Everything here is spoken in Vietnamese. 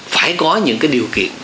phải có những cái điều kiện